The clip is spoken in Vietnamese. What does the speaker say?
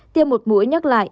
tiêm một mũi nhắc lại